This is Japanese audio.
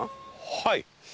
はい。